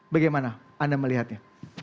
bagaimana anda melihatnya